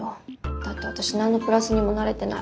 だって私何のプラスにもなれてない。